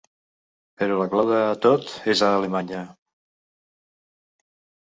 Però la clau de tot és a Alemanya.